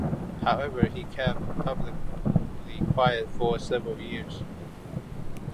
However, he kept publicly quiet for several years.